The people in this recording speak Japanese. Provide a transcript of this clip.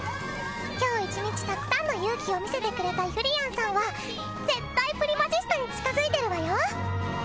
今日１日たくさんの勇気を見せてくれたゆりやんさんは絶対プリマジスタに近づいてるわよ。